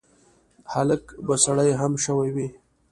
د هلک به سړې هم شوي وي.